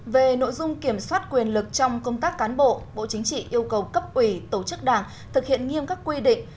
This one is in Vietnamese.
về nội dung kiểm soát quyền lực trong công tác cán bộ bộ chính trị yêu cầu cấp ủy tổ chức đảng thực hiện nghiêm các quy định